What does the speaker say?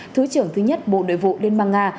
thứ trưởng thứ nhất bộ nội vụ liên bang nga